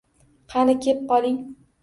Qani, keb qoling!